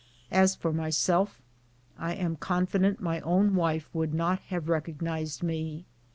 As for my self, I am confident my own wife would not have recog nized me.